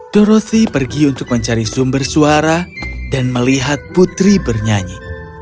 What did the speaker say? dorothy pergi untuk mencari sumber suara dan melihat putri bernyanyi